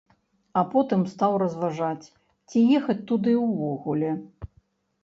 А потым стаў разважаць, ці ехаць туды ўвогуле.